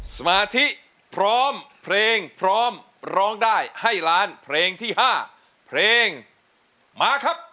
สมาธิพร้อมเพลงพร้อมร้องได้ให้ล้านเพลงที่๕เพลงมาครับ